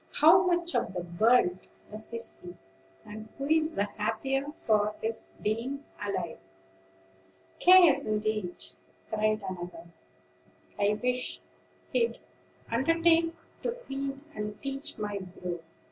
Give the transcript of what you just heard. How much of the world does he see, and who is the happier for his being alive?" "Cares indeed!" cried another; "I wish he'd undertake to feed and teach my brood.